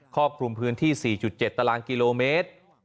ครอบคลุมพื้นที่๔๗ตารางกิโลเมตร